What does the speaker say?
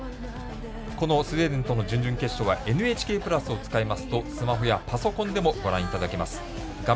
スウェーデンとの準々決勝は「ＮＨＫプラス」を使いますとスマホやパソコンでもご覧いただけます。